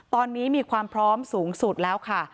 ตอนนี้มีความพร้อมสูงสุดแล้วค่ะ